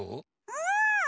うん！